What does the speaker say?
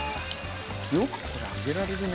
よくこれ揚げられるね